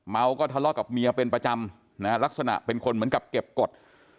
เมาก็ทะเลาะกับเมียเป็นประจำนะฮะลักษณะเป็นคนเหมือนกับเก็บกฎ